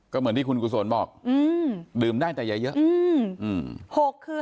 ก็เหมือนที่คุณกุศลบอกดื่มได้แต่อย่าเยอะ